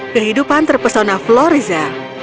kehidupan terpesona florizel